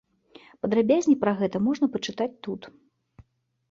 Падрабязней пра гэта можна пачытаць тут.